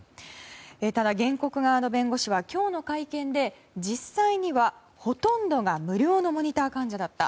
ただ、原告側の弁護士は今日の会見で実際にはほとんどが無料のモニター患者だった。